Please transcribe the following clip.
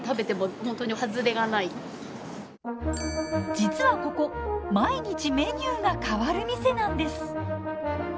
実はここ毎日メニューが変わる店なんです。